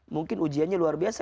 mungkin ujiannya luar biasa